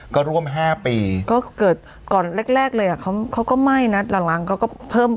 ก็ร่วม๕ปีก็เกิดก่อนแรกแรกเลยอ่ะเขาก็ไหม้นะหลังเขาก็เพิ่ม